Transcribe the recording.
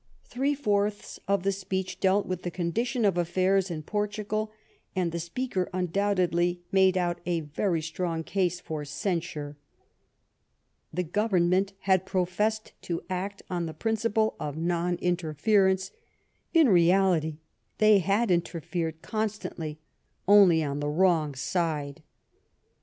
Three fourths of the speech dealt with the condition of afl'airs in Portugal, and the speaker undoubtedly made out a very strong case for censure. The Government had professed to act on the principle of non interference ; in reality, they had interfered con stantly, only on the wrong side."